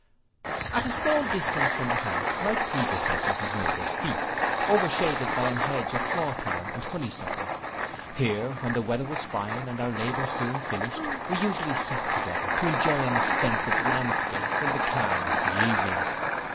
At a small distance from the house my predecessor had made a seat, overshaded by an hedge of hawthorn and honeysuckle. Here, when the weather was fine, and our labour soon finished, we usually sate together, to enjoy an extensive landscape, in the calm of the evening.